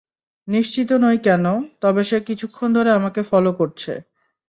নিশ্চিত নই কেন, তবে সে কিছুক্ষণ ধরে আমাকে ফলো করছে।